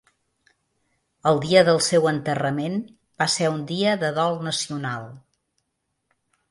El dia del seu enterrament va ser un dia de dol nacional.